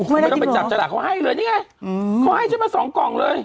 ไม่ต้องไปจับฉลากเขาให้เลยนี่ไงเขาให้ฉันมาสองกล่องเลย